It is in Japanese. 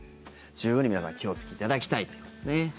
十分に皆さん気をつけていただきたいということですね。